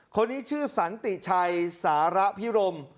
คนนี้ชื่อสันติชัยสาระพิรม